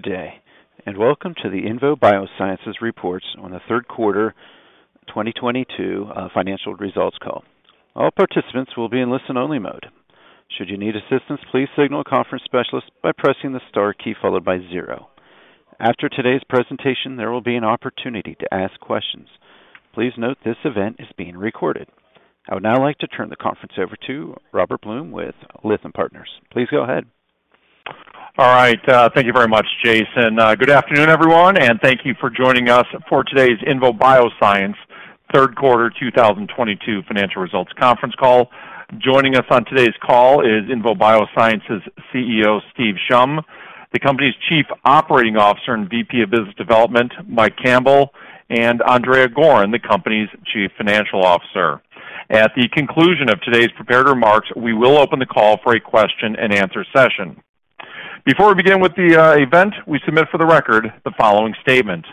Good day, and welcome to the INVO Bioscience reports on the Third Quarter 2022 Financial Results Call. All participants will be in listen-only mode. Should you need assistance, please signal a conference specialist by pressing the star key followed by zero. After today's presentation, there will be an opportunity to ask questions. Please note this event is being recorded. I would now like to turn the conference over to Robert Blum with Lytham Partners. Please go ahead. All right. Thank you very much, Jason. Good afternoon, everyone, and thank you for joining us for today's INVO Bioscience Third Quarter 2022 Financial Results Conference Call. Joining us on today's call is INVO Bioscience's CEO, Steve Shum, the company's Chief Operating Officer and VP of Business Development, Mike Campbell, and Andrea Goren, the company's Chief Financial Officer. At the conclusion of today's prepared remarks, we will open the call for a question-and-answer session. Before we begin with the event, we submit for the record the following statement: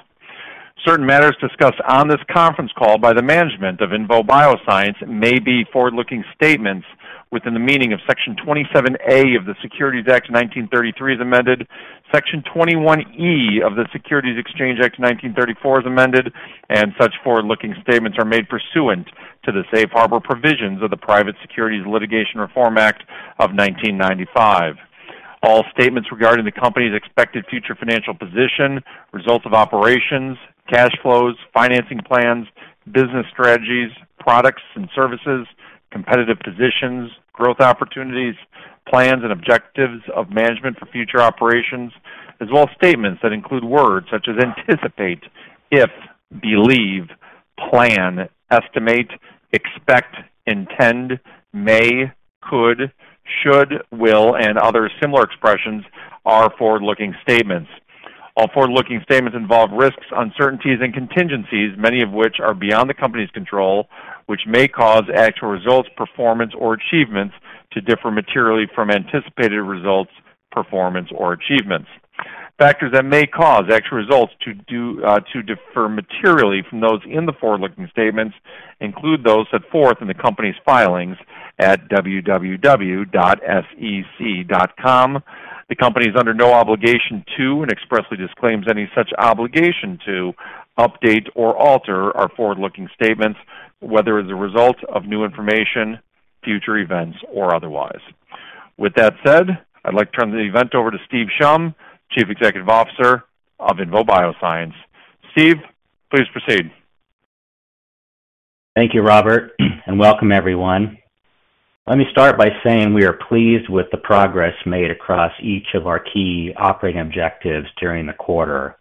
Certain matters discussed on this conference call by the management of INVO Bioscience may be forward-looking statements within the meaning of Section 27A of the Securities Act of 1933, as amended, Section 21E of the Securities Exchange Act of 1934, as amended, and such forward-looking statements are made pursuant to the Safe Harbor provisions of the Private Securities Litigation Reform Act of 1995. All statements regarding the company's expected future financial position, results of operations, cash flows, financing plans, business strategies, products and services, competitive positions, growth opportunities, plans and objectives of management for future operations, as well as statements that include words such as anticipate, if, believe, plan, estimate, expect, intend, may, could, should, will, and other similar expressions, are forward-looking statements. All forward-looking statements involve risks, uncertainties, and contingencies, many of which are beyond the company's control, which may cause actual results, performance, or achievements to differ materially from anticipated results, performance, or achievements. Factors that may cause actual results to differ materially from those in the forward-looking statements include those set forth in the company's filings at www.sec.gov. The company is under no obligation to and expressly disclaims any such obligation to update or alter our forward-looking statements, whether as a result of new information, future events, or otherwise. With that said, I'd like to turn the event over to Steve Shum, Chief Executive Officer of INVO Bioscience. Steve, please proceed. Thank you, Robert, and welcome everyone. Let me start by saying we are pleased with the progress made across each of our key operating objectives during the quarter.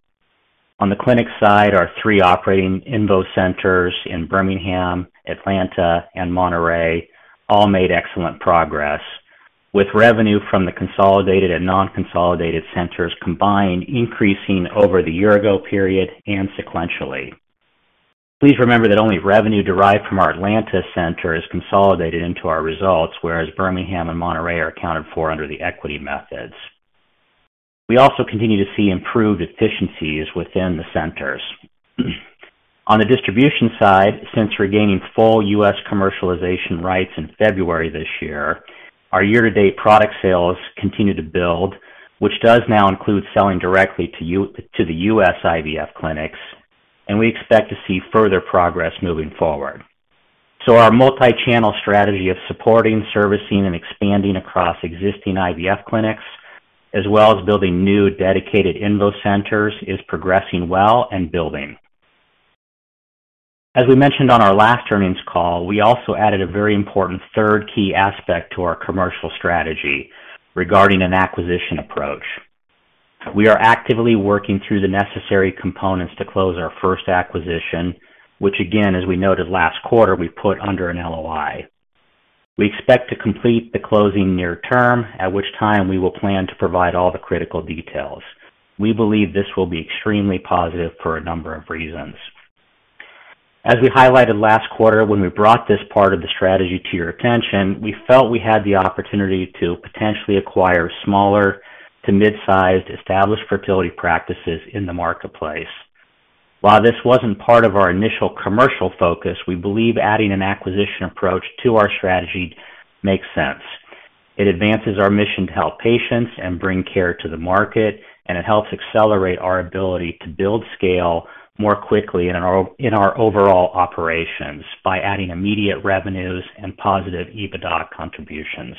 On the clinic side, our three operating INVO Centers in Birmingham, Atlanta, and Monterrey all made excellent progress, with revenue from the consolidated and non-consolidated centers combined increasing over the year-ago period and sequentially. Please remember that only revenue derived from our Atlanta center is consolidated into our results, whereas Birmingham and Monterrey are accounted for under the equity methods. We also continue to see improved efficiencies within the centers. On the distribution side, since regaining full U.S. commercialization rights in February this year, our year-to-date product sales continue to build, which does now include selling directly to the U.S. IVF clinics, and we expect to see further progress moving forward. Our multi-channel strategy of supporting, servicing, and expanding across existing IVF clinics, as well as building new dedicated INVO Centers, is progressing well and building. As we mentioned on our last earnings call, we also added a very important third key aspect to our commercial strategy regarding an acquisition approach. We are actively working through the necessary components to close our first acquisition, which again, as we noted last quarter, we put under an LOI. We expect to complete the closing near term, at which time we will plan to provide all the critical details. We believe this will be extremely positive for a number of reasons. As we highlighted last quarter when we brought this part of the strategy to your attention, we felt we had the opportunity to potentially acquire smaller to mid-sized established fertility practices in the marketplace. While this wasn't part of our initial commercial focus, we believe adding an acquisition approach to our strategy makes sense. It advances our mission to help patients and bring care to the market, and it helps accelerate our ability to build scale more quickly in our overall operations by adding immediate revenues and positive EBITDA contributions.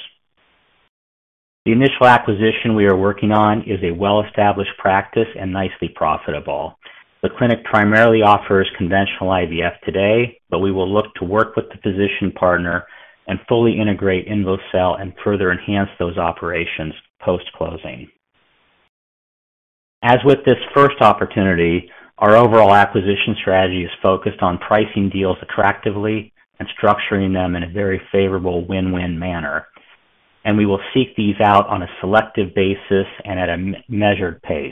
The initial acquisition we are working on is a well-established practice and nicely profitable. The clinic primarily offers conventional IVF today, but we will look to work with the physician partner and fully integrate INVOcell and further enhance those operations post-closing. As with this first opportunity, our overall acquisition strategy is focused on pricing deals attractively and structuring them in a very favorable win-win manner, and we will seek these out on a selective basis and at a measured pace.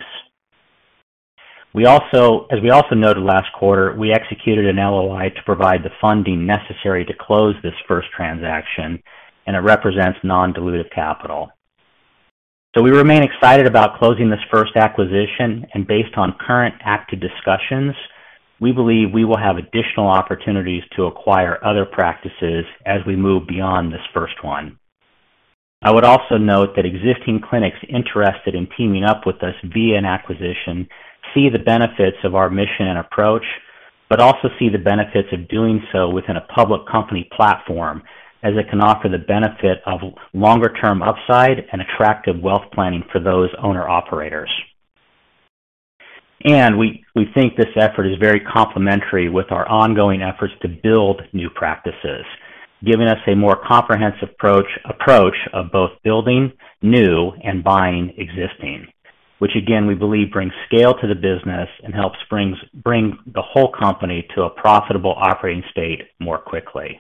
As we also noted last quarter, we executed an LOI to provide the funding necessary to close this first transaction, and it represents non-dilutive capital. We remain excited about closing this first acquisition and based on current active discussions, we believe we will have additional opportunities to acquire other practices as we move beyond this first one. I would also note that existing clinics interested in teaming up with us via an acquisition see the benefits of our mission and approach, but also see the benefits of doing so within a public company platform as it can offer the benefit of longer-term upside and attractive wealth planning for those owner-operators. We think this effort is very complementary with our ongoing efforts to build new practices, giving us a more comprehensive approach of both building new and buying existing, which again, we believe brings scale to the business and helps bring the whole company to a profitable operating state more quickly.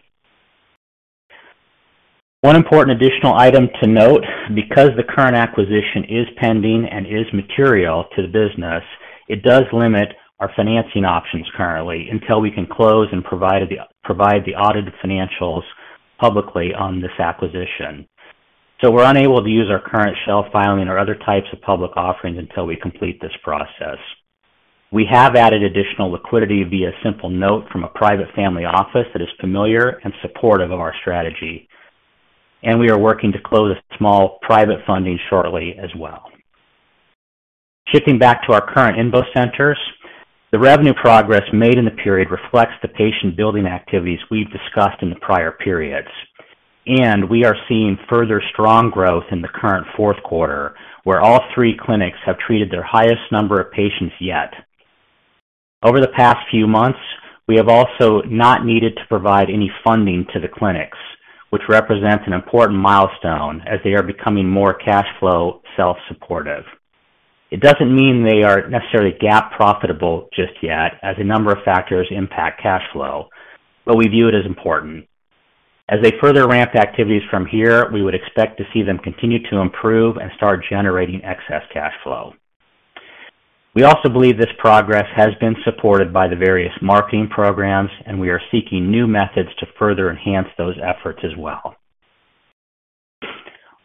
One important additional item to note, because the current acquisition is pending and is material to the business, it does limit our financing options currently until we can close and provide the audited financials publicly on this acquisition. We're unable to use our current shelf filing or other types of public offerings until we complete this process. We have added additional liquidity via simple note from a private family office that is familiar and supportive of our strategy. We are working to close a small private funding shortly as well. Shifting back to our current INVO Centers, the revenue progress made in the period reflects the patient building activities we've discussed in the prior periods. We are seeing further strong growth in the current fourth quarter, where all three clinics have treated their highest number of patients yet. Over the past few months, we have also not needed to provide any funding to the clinics, which represents an important milestone as they are becoming more cash flow self-supportive. It doesn't mean they are necessarily GAAP profitable just yet, as a number of factors impact cash flow, but we view it as important. As they further ramp activities from here, we would expect to see them continue to improve and start generating excess cash flow. We also believe this progress has been supported by the various marketing programs, and we are seeking new methods to further enhance those efforts as well.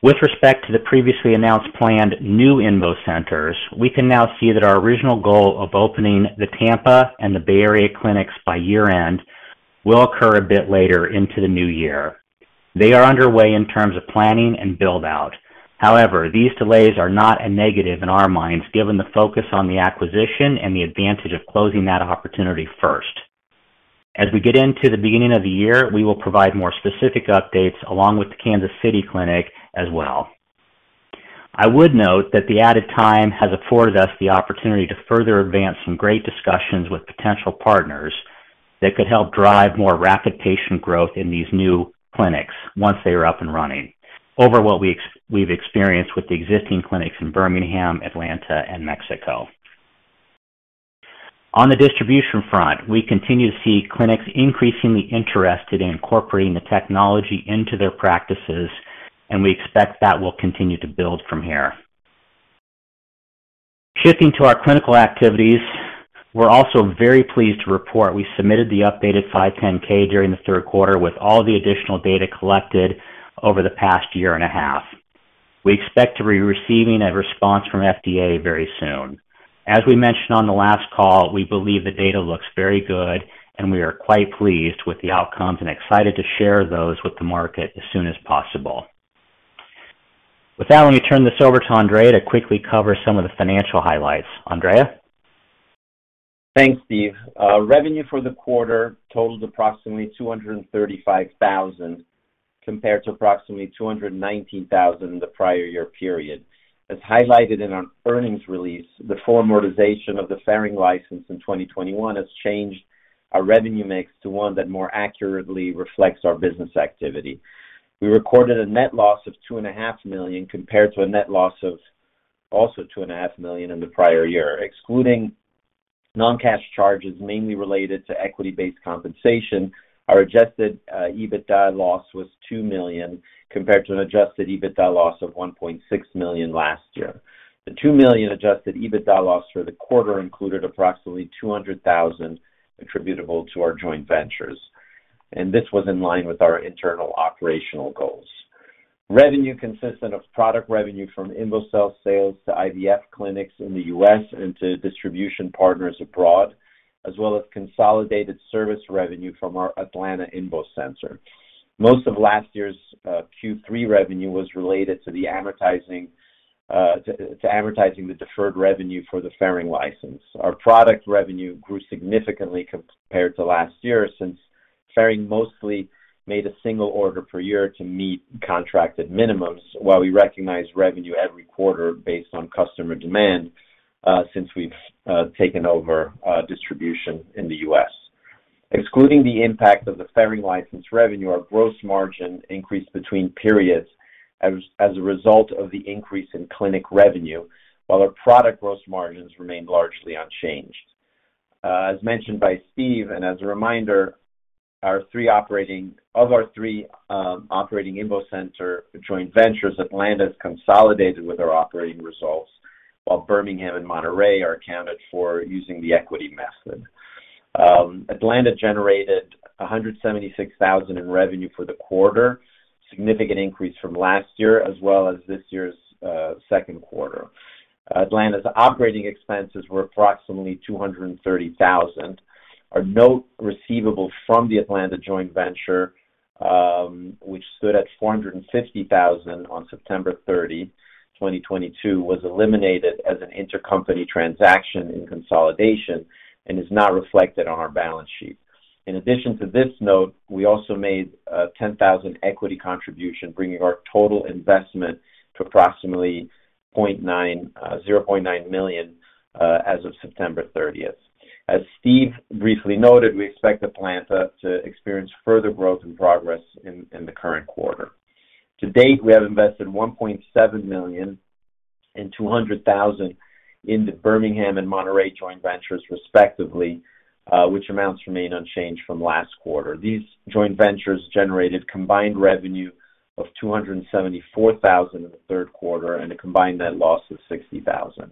With respect to the previously announced planned new INVO Centers, we can now see that our original goal of opening the Tampa and the Bay Area clinics by year-end will occur a bit later into the new year. They are underway in terms of planning and build-out. However, these delays are not a negative in our minds, given the focus on the acquisition and the advantage of closing that opportunity first. As we get into the beginning of the year, we will provide more specific updates along with the Kansas City clinic as well. I would note that the added time has afforded us the opportunity to further advance some great discussions with potential partners that could help drive more rapid patient growth in these new clinics once they are up and running over what we've experienced with the existing clinics in Birmingham, Atlanta, and Mexico. On the distribution front, we continue to see clinics increasingly interested in incorporating the technology into their practices, and we expect that will continue to build from here. Shifting to our clinical activities, we're also very pleased to report, we submitted the updated 510(k) during the third quarter with all the additional data collected over the past year and a half. We expect to be receiving a response from FDA very soon. As we mentioned on the last call, we believe the data looks very good, and we are quite pleased with the outcomes and excited to share those with the market as soon as possible. With that, let me turn this over to Andrea to quickly cover some of the financial highlights. Andrea? Thanks, Steve. Revenue for the quarter totaled approximately $235,000 compared to approximately $219,000 the prior year period. As highlighted in our earnings release, the formalization of the Ferring license in 2021 has changed our revenue mix to one that more accurately reflects our business activity. We recorded a net loss of $2.5 million compared to a net loss of also $2.5 million in the prior year. Excluding non-cash charges mainly related to equity-based compensation, our adjusted EBITDA loss was $2 million compared to an adjusted EBITDA loss of $1.6 million last year. The $2 million adjusted EBITDA loss for the quarter included approximately $200,000 attributable to our joint ventures, and this was in line with our internal operational goals. Revenue consisted of product revenue from INVOcell sales to IVF clinics in the U.S. and to distribution partners abroad, as well as consolidated service revenue from our Atlanta INVO Center. Most of last year's Q3 revenue was related to amortizing the deferred revenue for the Ferring license. Our product revenue grew significantly compared to last year since Ferring mostly made a single order per year to meet contracted minimums while we recognized revenue every quarter based on customer demand since we've taken over distribution in the U.S. Excluding the impact of the Ferring license revenue, our gross margin increased between periods as a result of the increase in clinic revenue, while our product gross margins remained largely unchanged. As mentioned by Steve, as a reminder, our three operating INVO Center joint ventures, Atlanta is consolidated with our operating results, while Birmingham and Monterrey are accounted for using the equity method. Atlanta generated $176,000 in revenue for the quarter, significant increase from last year as well as this year's second quarter. Atlanta's operating expenses were approximately $230,000. Our note receivable from the Atlanta joint venture, which stood at $450,000 on September 30, 2022, was eliminated as an intercompany transaction in consolidation and is now reflected on our balance sheet. In addition to this note, we also made a $10,000 equity contribution, bringing our total investment to approximately $0.9 million as of September 30th. As Steve briefly noted, we expect Atlanta to experience further growth and progress in the current quarter. To date, we have invested $1.7 million and $200,000 into Birmingham and Monterrey joint ventures respectively, which amounts remain unchanged from last quarter. These joint ventures generated combined revenue of $274,000 in the third quarter and a combined net loss of $60,000.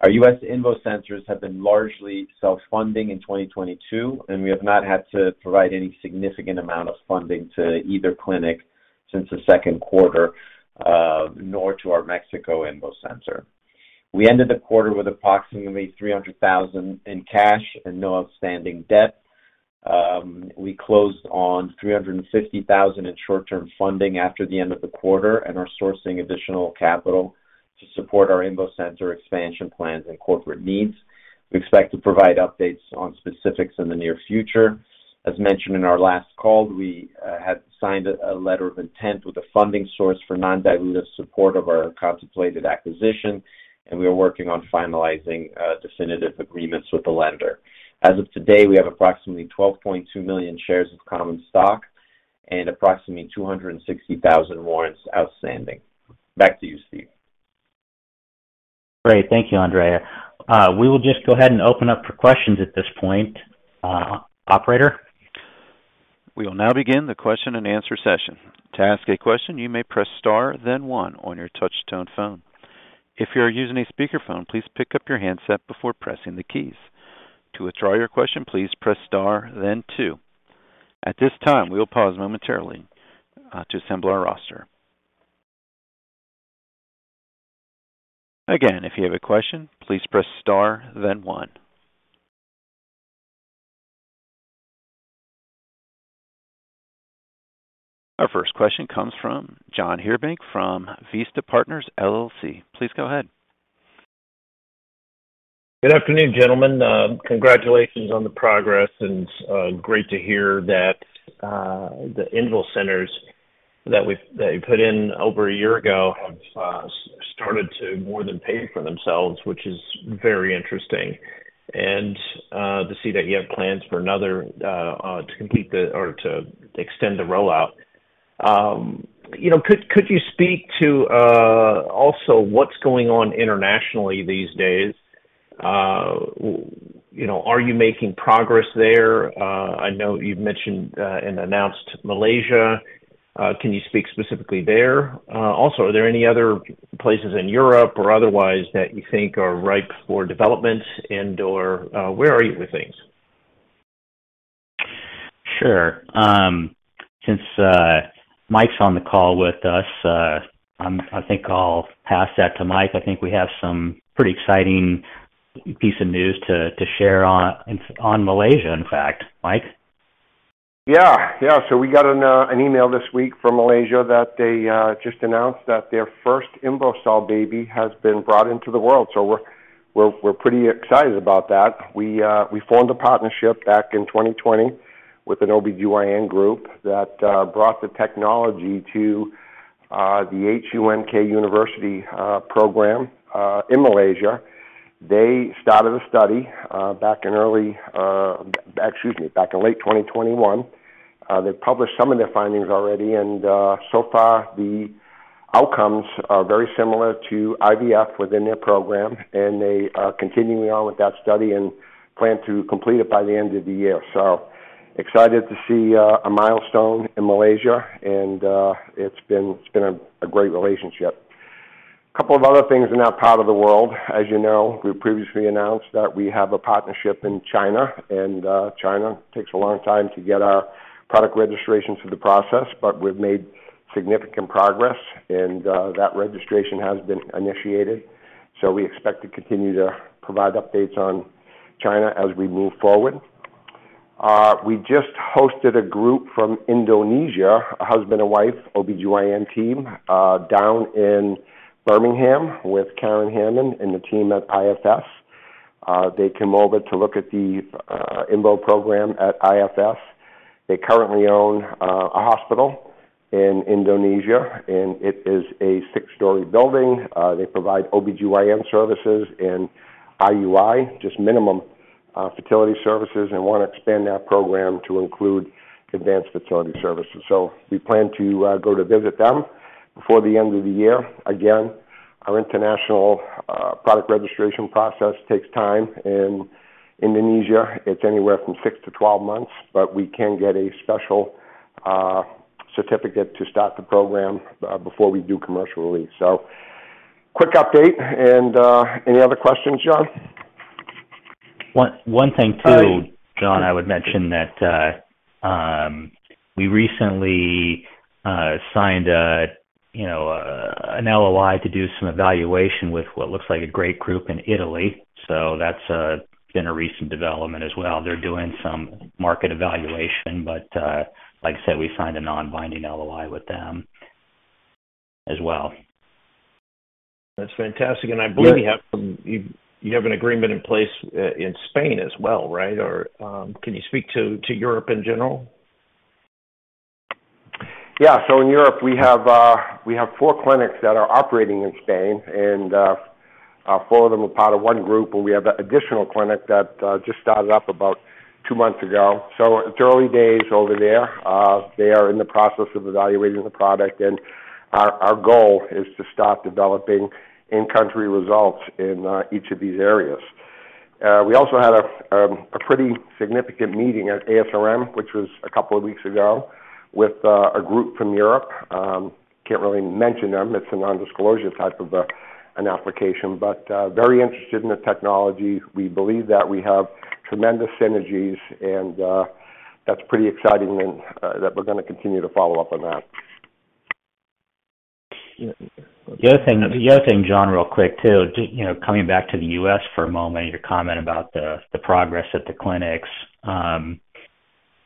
Our U.S. INVO Centers have been largely self-funding in 2022, and we have not had to provide any significant amount of funding to either clinic since the second quarter, nor to our Mexico INVO center. We ended the quarter with approximately $300,000 in cash and no outstanding debt. We closed on $350,000 in short-term funding after the end of the quarter and are sourcing additional capital to support our INVO center expansion plans and corporate needs. We expect to provide updates on specifics in the near future. As mentioned in our last call, we had signed a letter of intent with a funding source for non-dilutive support of our contemplated acquisition, and we are working on finalizing definitive agreements with the lender. As of today, we have approximately 12.2 million shares of common stock and approximately 260,000 warrants outstanding. Back to you, Steve. Great. Thank you, Andrea. We will just go ahead and open up for questions at this point, operator. We will now begin the question and answer session. To ask a question, you may press star, then one on your touch tone phone. If you are using a speaker phone, please pick up your handset before pressing the keys. To withdraw your question, please press star then two. At this time, we will pause momentarily to assemble our roster. Again, if you have a question, please press star then one. Our first question comes from John Heerdink from Vista Partners LLC. Please go ahead. Good afternoon, gentlemen. Congratulations on the progress and great to hear that the INVO Centers that you put in over a year ago have started to more than pay for themselves, which is very interesting. To see that you have plans for another to complete or to extend the rollout. You know, could you speak to also what's going on internationally these days? You know, are you making progress there? I know you've mentioned and announced Malaysia. Can you speak specifically there? Also, are there any other places in Europe or otherwise that you think are ripe for development and/or where are you with things? Sure. Since Mike's on the call with us, I think I'll pass that to Mike. I think we have some pretty exciting piece of news to share on Malaysia, in fact. Mike. Yeah. Yeah. We got an email this week from Malaysia that they just announced that their first INVOcell baby has been brought into the world. We're pretty excited about that. We formed a partnership back in 2020 with an OBGYN group that brought the technology to the HUKM University program in Malaysia. They started a study back in late 2021. They published some of their findings already, and so far the outcomes are very similar to IVF within their program, and they are continuing on with that study and plan to complete it by the end of the year. Excited to see a milestone in Malaysia and it's been a great relationship. Couple of other things in that part of the world. As you know, we previously announced that we have a partnership in China, and China takes a long time to get our product registration through the process, but we've made significant progress and that registration has been initiated. We expect to continue to provide updates on China as we move forward. We just hosted a group from Indonesia, a husband and wife OBGYN team down in Birmingham with Karen Hammond and the team at IFS. They came over to look at the INVO program at IFS. They currently own a hospital in Indonesia, and it is a six-story building. They provide OBGYN services and IUI, just minimum fertility services, and wanna expand that program to include advanced fertility services. We plan to go to visit them before the end of the year. Again, our international product registration process takes time. In Indonesia, it's anywhere from six to 12 months, but we can get a special certificate to start the program before we do commercial release. Quick update and any other questions, John? One thing too, John, I would mention that we recently signed a, you know, an LOI to do some evaluation with what looks like a great group in Italy. That's been a recent development as well. They're doing some market evaluation, but, like I said, we signed a non-binding LOI with them as well. That's fantastic. I believe you have an agreement in place in Spain as well, right? Or, can you speak to Europe in general? Yeah. In Europe we have four clinics that are operating in Spain, and four of them are part of one group, but we have an additional clinic that just started up about two months ago. It's early days over there. They are in the process of evaluating the product, and our goal is to start developing in-country results in each of these areas. We also had a pretty significant meeting at ASRM, which was a couple of weeks ago, with a group from Europe. Can't really mention them. It's a non-disclosure type of an application, but very interested in the technology. We believe that we have tremendous synergies and that's pretty exciting and that we're gonna continue to follow up on that. The other thing, John, real quick too, you know, coming back to the U.S. for a moment, your comment about the progress at the clinics.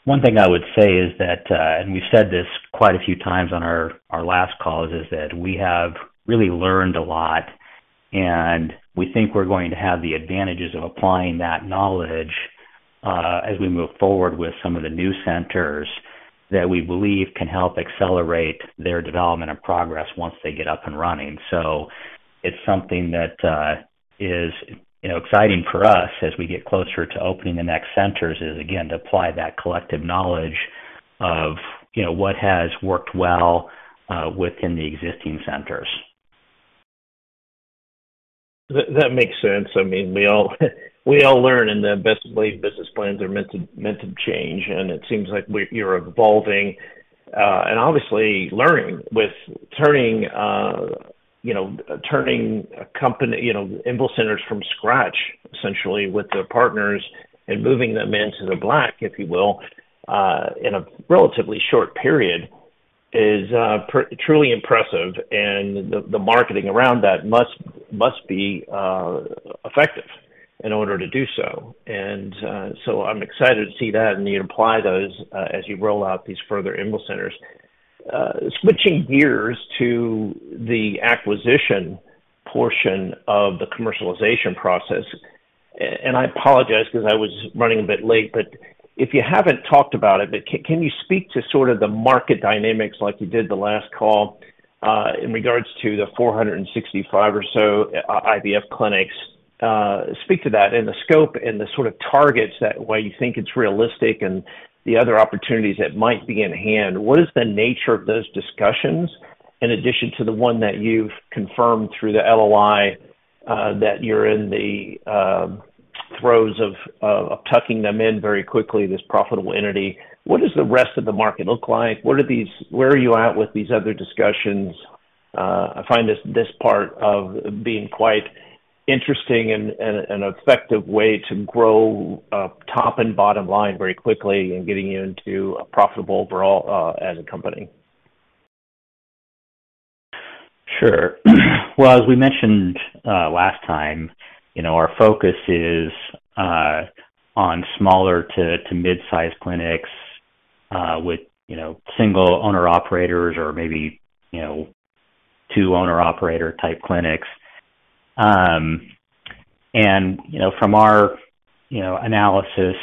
One thing I would say is that, and we've said this quite a few times on our last calls, is that we have really learned a lot, and we think we're going to have the advantages of applying that knowledge, as we move forward with some of the new centers that we believe can help accelerate their development and progress once they get up and running. It's something that is, you know, exciting for us as we get closer to opening the next centers is, again, to apply that collective knowledge of, you know, what has worked well within the existing centers. That makes sense. I mean, we all learn, and the best laid business plans are meant to change, and it seems like you're evolving, and obviously learning with turning, you know, turning a company, you know, INVO Centers from scratch, essentially with the partners and moving them into the black, if you will, in a relatively short period is truly impressive. The marketing around that must be effective in order to do so. I'm excited to see that, and you apply those, as you roll out these further INVO Centers. Switching gears to the acquisition portion of the commercialization process, and I apologize because I was running a bit late, but if you haven't talked about it, but can you speak to sort of the market dynamics like you did the last call, in regards to the 465 or so IVF clinics? Speak to that and the scope and the sort of targets that why you think it's realistic and the other opportunities that might be in hand. What is the nature of those discussions in addition to the one that you've confirmed through the LOI, that you're in the throes of tucking them in very quickly, this profitable entity? What does the rest of the market look like? What are these? Where are you at with these other discussions? I find this part of being quite interesting and an effective way to grow top and bottom line very quickly and getting you into a profitable overall as a company. Sure. Well, as we mentioned last time, you know, our focus is on smaller to mid-size clinics with you know single owner-operators or maybe you know two owner-operator type clinics. You know, from our analysis,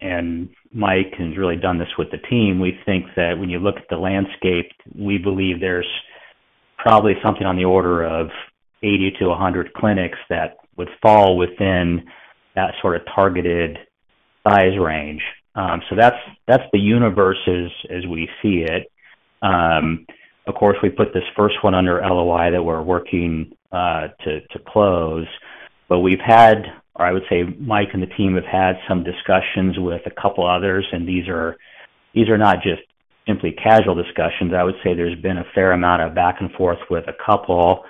and Mike has really done this with the team, we think that when you look at the landscape, we believe there's probably something on the order of 80-100 clinics that would fall within that sort of targeted size range. That's the universe as we see it. Of course, we put this first one under LOI that we're working to close. We've had or I would say Mike and the team have had some discussions with a couple others, and these are not just simply casual discussions. I would say there's been a fair amount of back and forth with a couple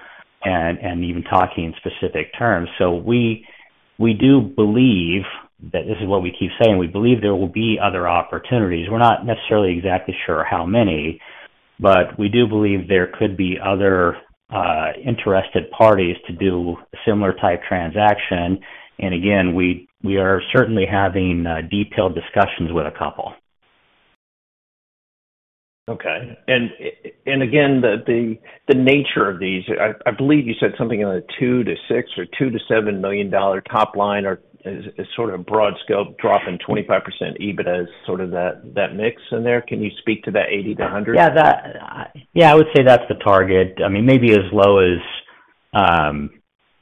and even talking in specific terms. We do believe that this is what we keep saying, we believe there will be other opportunities. We're not necessarily exactly sure how many, but we do believe there could be other, interested parties to do similar type transaction. We are certainly having detailed discussions with a couple. Again, the nature of these, I believe you said something in the $2 million-$6 million or $2 million-$7 million top line or is sort of broad scope drop in 25% EBIT as sort of that mix in there. Can you speak to that 80-100? I would say that's the target. I mean, maybe as low as,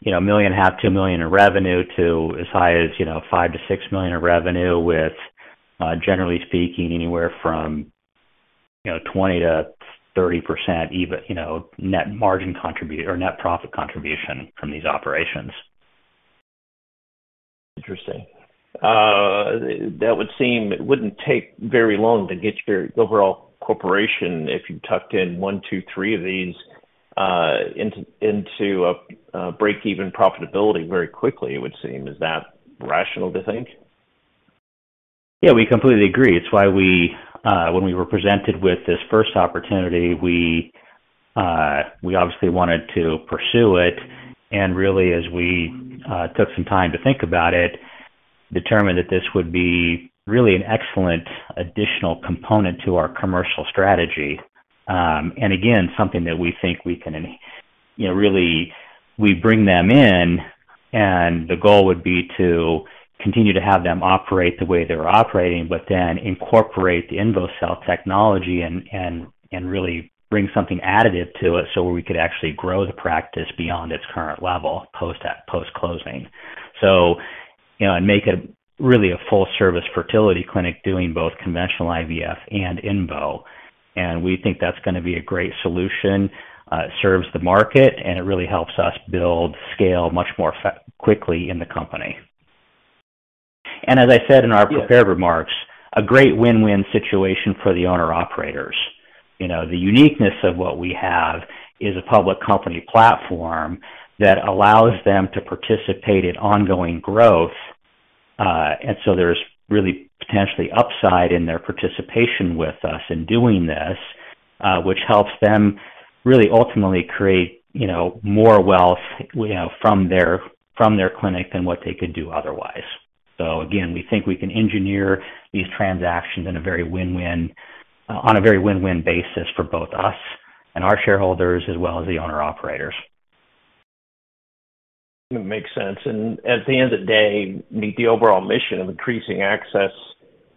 you know, $1.5 million-$2 million in revenue to as high as, you know, $5 million-$6 million in revenue with, generally speaking, anywhere from, you know, 20%-30% EBIT net margin contribution or net profit contribution from these operations. Interesting. That would seem it wouldn't take very long to get your overall corporation, if you tucked in one, two, three of these into a break-even profitability very quickly, it would seem. Is that rational to think? Yeah, we completely agree. It's why we, when we were presented with this first opportunity, we obviously wanted to pursue it. Really, as we took some time to think about it, determined that this would be really an excellent additional component to our commercial strategy. Again, something that we think we can, you know, really. We bring them in, and the goal would be to continue to have them operate the way they're operating, but then incorporate the INVOcell technology and really bring something additive to it so we could actually grow the practice beyond its current level post-closing. You know, make a really full service fertility clinic doing both conventional IVF and INVO. We think that's gonna be a great solution, serves the market, and it really helps us build scale much more quickly in the company. As I said in our prepared remarks, a great win-win situation for the owner-operators. You know, the uniqueness of what we have is a public company platform that allows them to participate in ongoing growth. There's really potentially upside in their participation with us in doing this, which helps them really ultimately create, you know, more wealth, you know, from their clinic than what they could do otherwise. Again, we think we can engineer these transactions in a very win-win basis for both us and our shareholders, as well as the owner-operators. Makes sense. At the end of the day, meet the overall mission of increasing access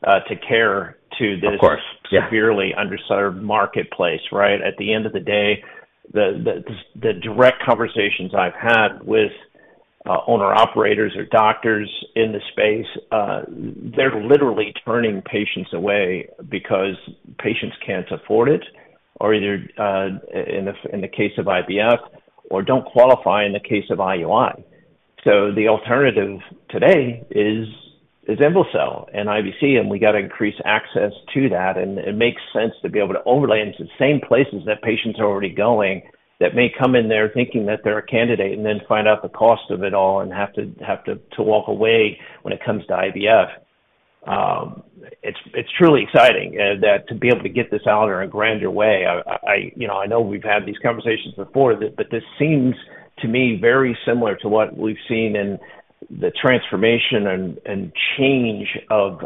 to care to this. Of course. Yeah. Severely underserved marketplace, right? At the end of the day, the direct conversations I've had with owner-operators or doctors in the space, they're literally turning patients away because patients can't afford it or either in the case of IVF or don't qualify in the case of IUI. The alternative today is INVOcell and IVC, and we got to increase access to that. It makes sense to be able to overlay into the same places that patients are already going that may come in there thinking that they're a candidate and then find out the cost of it all and have to walk away when it comes to IVF. It's truly exciting that to be able to get this out in a grander way. I, you know, I know we've had these conversations before, but this seems to me very similar to what we've seen in the transformation and change of,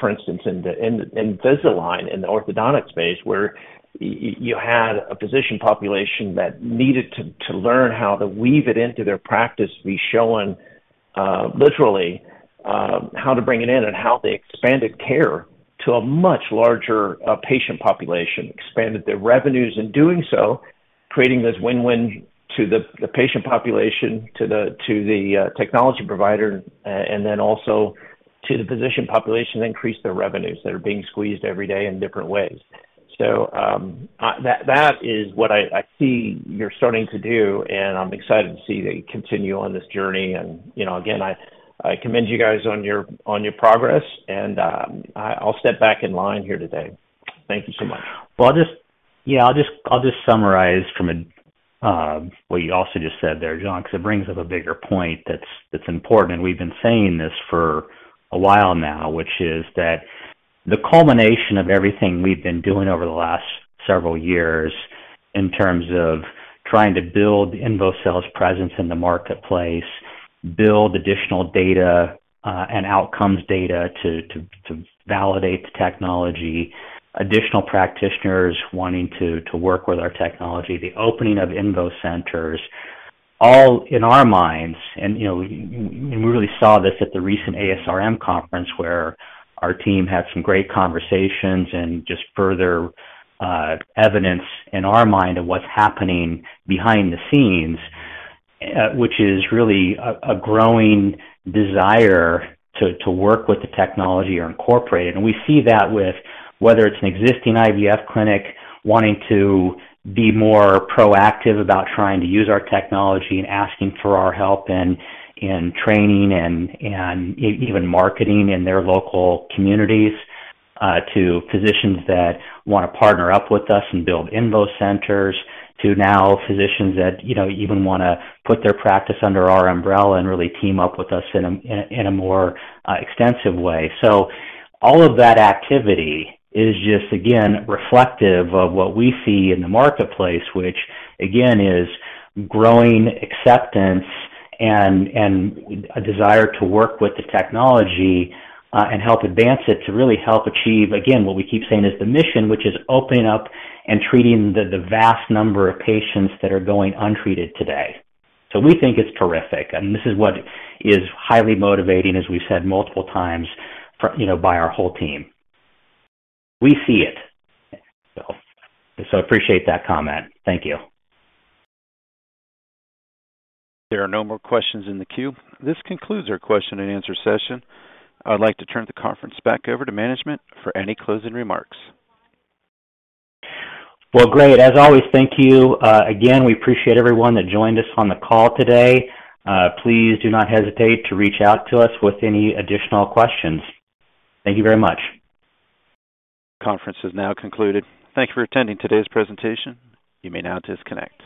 for instance, in Invisalign in the orthodontic space, where you had a physician population that needed to learn how to weave it into their practice, be shown literally how to bring it in and how they expanded care to a much larger patient population, expanded their revenues in doing so, creating this win-win to the patient population, to the technology provider, and then also to the physician population increase their revenues that are being squeezed every day in different ways. That is what I see you're starting to do, and I'm excited to see that you continue on this journey. You know, again, I commend you guys on your progress, and I’ll step back in line here today. Thank you so much. Well, I'll just summarize from what you also just said there, John, 'cause it brings up a bigger point that's important, and we've been saying this for a while now, which is that the culmination of everything we've been doing over the last several years in terms of trying to build INVOcell's presence in the marketplace, build additional data, and outcomes data to validate the technology, additional practitioners wanting to work with our technology, the opening of INVO Centers, all in our minds, and, you know, we really saw this at the recent ASRM conference where our team had some great conversations and just further evidence in our mind of what's happening behind the scenes, which is really a growing desire to work with the technology or incorporate it. We see that with whether it's an existing IVF clinic wanting to be more proactive about trying to use our technology and asking for our help in training and even marketing in their local communities to physicians that wanna partner up with us and build INVO Centers, to now physicians that, you know, even wanna put their practice under our umbrella and really team up with us in a more extensive way. All of that activity is just again reflective of what we see in the marketplace, which again is growing acceptance and a desire to work with the technology and help advance it to really help achieve what we keep saying is the mission, which is opening up and treating the vast number of patients that are going untreated today. we think it's terrific, and this is what is highly motivating, as we've said multiple times, you know, by our whole team. We see it. I appreciate that comment. Thank you. There are no more questions in the queue. This concludes our question and answer session. I'd like to turn the conference back over to management for any closing remarks. Well, great. As always, thank you. Again, we appreciate everyone that joined us on the call today. Please do not hesitate to reach out to us with any additional questions. Thank you very much. Conference is now concluded. Thank you for attending today's presentation. You may now disconnect.